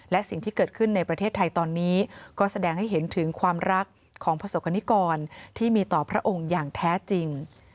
และสิ่งที่เกิดขึ้นในประเทศไทยตอนนี้ก็แสดงให้เห็นถึงความรักของประสบกรณิกรที่มีต่อพระองค์อย่างแท้จริง